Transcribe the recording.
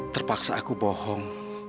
terpaksa aku bohong